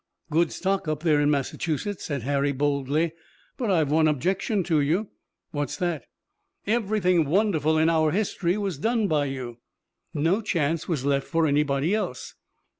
"Good stock up there in Massachusetts," said Harry boldly, "but I've one objection to you." "What's that?" "Everything wonderful in our history was done by you. No chance was left for anybody else."